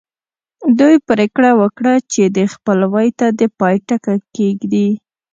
دوی پرېکړه وکړه چې دې خپلوۍ ته د پای ټکی ږدي